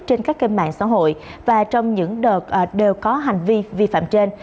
trên các kênh mạng xã hội và trong những đợt đều có hành vi vi phạm trên